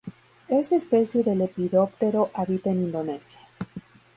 Esta especie de lepidóptero habita en Indonesia.